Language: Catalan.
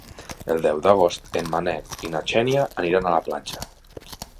El deu d'agost en Manel i na Xènia aniran a la platja.